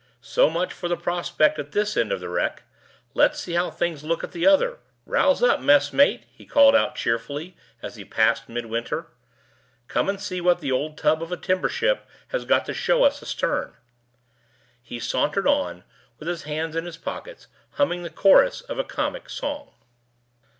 So much for the prospect at this end of the wreck. Let's try how things look at the other. Rouse up, messmate!" he called out, cheerfully, as he passed Midwinter. "Come and see what the old tub of a timber ship has got to show us astern." He sauntered on, with his hands in his pockets, humming the chorus of a comic song.